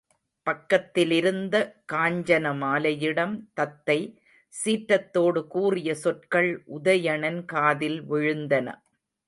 பக்கத்திலிருந்த காஞ்சனமாலையிடம் தத்தை சீற்றத்தோடு கூறிய சொற்கள் உதயணன் காதில் விழுந்தன.